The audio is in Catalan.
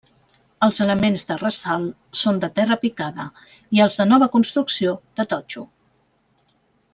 Els elements de ressalt són de pedra picada i els de nova construcció de totxo.